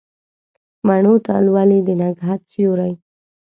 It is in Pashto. مڼو ته لولي د نګهت سیوري